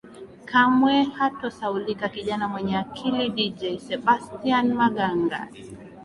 Kamwe hatosahaulika kijana mwenye akili Dj Sebastian Maganga